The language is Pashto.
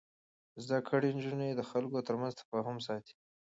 زده کړې نجونې د خلکو ترمنځ تفاهم ساتي.